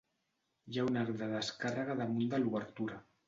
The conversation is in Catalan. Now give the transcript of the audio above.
Hi ha un arc de descàrrega damunt de l'obertura.